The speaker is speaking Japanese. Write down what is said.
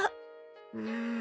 うん。